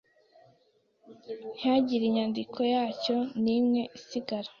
ntihagire inyandiko yacyo nimwe isigara